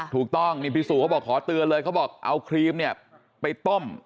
ถูกต้องนี่พี่สู่เขาบอกขอเตือนเลยเขาบอกเอาครีมเนี่ยไปต้ม